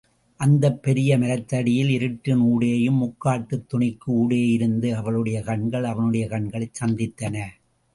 அந்தப் பெரிய மரத்தடியிலே இருட்டின் ஊடேயும், முக்காட்டுத் துணிக்கு ஊடேயிருந்த அவளுடைய கண்கள், அவனுடைய கண்களைச் சந்தித்தன.